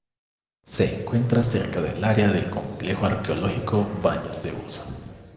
Se encuentra cerca del área del Complejo arqueológico Baños de Boza.